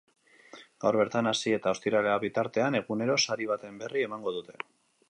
Gaur bertan hasi eta ostiralera bitartean, egunero sari baten berri emango dute.